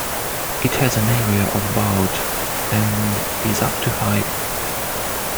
It has an area of about and is up to high.